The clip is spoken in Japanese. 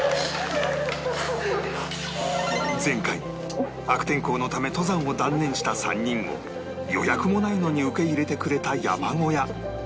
前回悪天候のため登山を断念した３人を予約もないのに受け入れてくれた山小屋